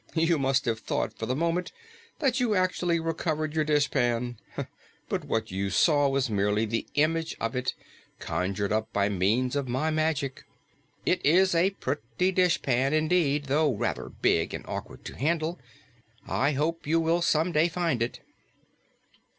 "You must have thought, for the moment, that you had actually recovered your dishpan. But what you saw was merely the image of it, conjured up by means of my magic. It is a pretty dishpan, indeed, though rather big and awkward to handle. I hope you will some day find it."